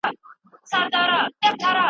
اسلام تعصب په کلکه ردوي